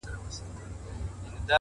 دا ستا د مستو گوتو له سيتاره راوتلي-